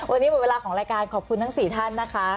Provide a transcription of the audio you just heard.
วันนี้หมดเวลาของรายการขอบคุณทั้ง๔ท่านนะคะ